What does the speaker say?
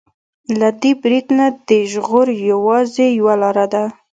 له دې برید نه د ژغور يوازې يوه لاره ده.